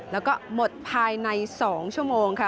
แล้วก็หมดภายใน๒ชั่วโมงค่ะ